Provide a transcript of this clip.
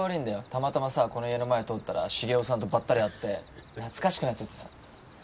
たまたまさこの家の前通ったら繁雄さんとばったり会って懐かしくなっちゃってさ